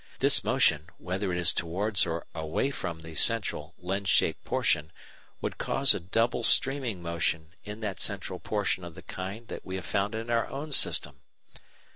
This motion, whether it is towards or away from the central, lens shaped portion, would cause a double streaming motion in that central portion of the kind we have found in our own system.